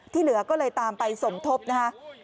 ที่เหลือก็เลยตามไปสมทบนะครับ